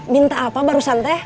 minta apa baru santai